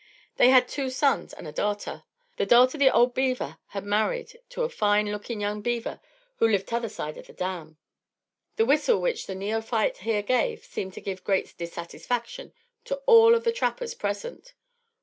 They had two sons and a darter. The darter the old beaver had married to a fine lookin' young beaver who lived t'other side the dam." The whistle which the neophyte here gave seemed to give great dissatisfaction to all of the trappers present.